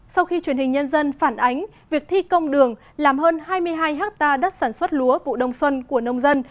sau khi truyền hình nhân dân phản ánh việc thi công đường làm hơn hai mươi hai hectare đất sản xuất lúa vụ đông xuân của nông dân